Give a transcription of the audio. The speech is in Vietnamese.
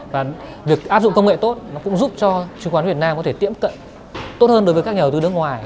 và việc áp dụng công nghệ tốt nó cũng giúp cho chứng khoán việt nam có thể tiệm cận tốt hơn đối với các nhà đầu tư nước ngoài